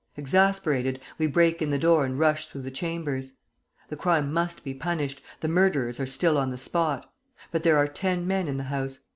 Exasperated, we break in the door and rush through the chambers. The crime must be punished, the murderers are still on the spot; but there are ten men in the house.